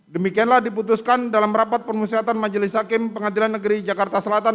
demikianlah diputuskan dalam rapat permusyatan majelis hakim pengadilan negeri jakarta selatan